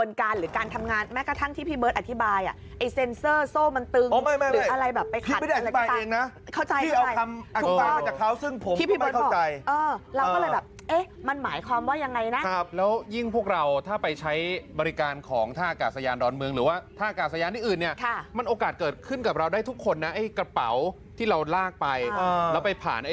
แต่พอมันเกิดเขตขัดคล่องแบบนี้เราไม่เข้าใจ